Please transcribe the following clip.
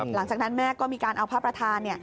หลังจากนั้นแม่ก็มีการเอาพระประธาน